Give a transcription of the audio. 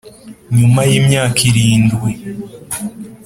nyuma yi myaka irindwi